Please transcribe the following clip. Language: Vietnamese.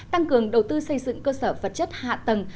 tăng cường đầu tư xây dựng cơ sở vật chất hạ tầng